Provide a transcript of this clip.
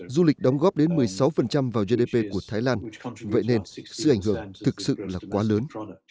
du lịch đóng góp đến một mươi sáu vào gdp của thái lan vậy nên sự ảnh hưởng thực sự là quá lớn